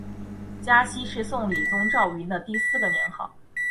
嘉熙是宋理宗赵昀的第四个年号。